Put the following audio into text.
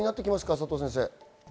佐藤先生。